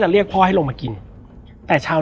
แล้วสักครั้งหนึ่งเขารู้สึกอึดอัดที่หน้าอก